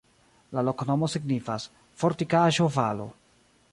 La loknomo signifas: fortikaĵo-valo.